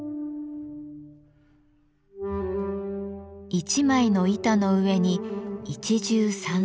一枚の板の上に一汁三菜。